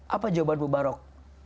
apa jawaban mubarok